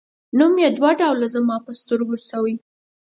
نوم یې دوه ډوله زما په سترګو شوی.